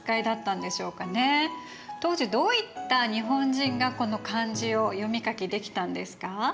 当時どういった日本人がこの漢字を読み書きできたんですか？